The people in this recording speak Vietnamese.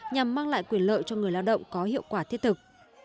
nhằm mang lại quyền lợi cho người lao động có hiệu quả thiết thực